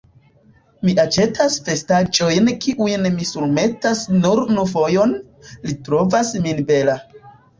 Mi aĉetas vestaĵojn kiujn mi surmetas nur unu fojon: li trovas min bela.